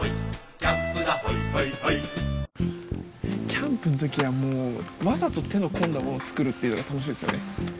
キャンプのときはわざと手の込んだものを作るっていうのが楽しいですよね。